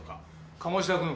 鴨志田君。